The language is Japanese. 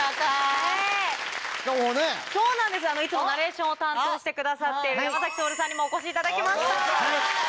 いつもナレーションを担当してくださっている山咲トオルさんにもお越しいただきました。